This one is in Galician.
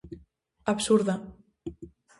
Absurda.